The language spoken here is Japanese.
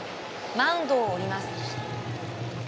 マウンドを降ります。